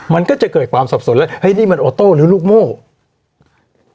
มันก็จะเกิดความสับสนแล้วเฮ้ยนี่มันโอโต้หรือลูกโม่